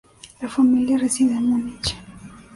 La familia reside en Múnich.